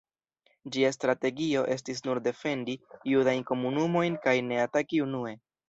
Ĝia strategio estis nur defendi judajn komunumojn kaj ne ataki unue.